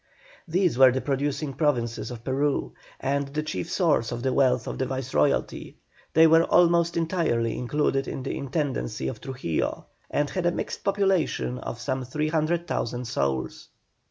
These were the producing provinces of Peru, and the chief source of the wealth of the Viceroyalty. They were almost entirely included in the Intendency of Trujillo, and had a mixed population of some 300,000 souls.